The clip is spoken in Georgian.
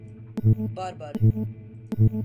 ბარბარე